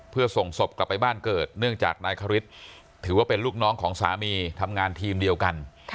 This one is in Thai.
เพื่อส่งศพกลับไปบ้านเกิดเนื่องจากนายคริสถือว่าเป็นลูกน้องของสามีทำงานทีมเดียวกัน